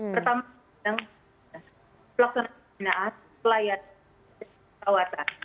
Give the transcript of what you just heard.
pertama pelaksanaan pembinaan pelayanan dan penyelidikan